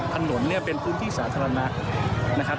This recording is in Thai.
ถนนเนี่ยเป็นพื้นที่สาธารณะนะครับ